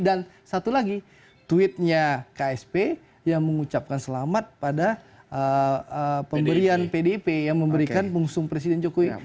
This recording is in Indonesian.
dan satu lagi tweetnya ksp yang mengucapkan selamat pada pemberian pdp yang memberikan pengusung presiden jokowi